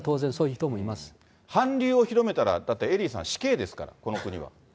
韓流を広めたら、だって、エリーさん、死刑ですから、この国は。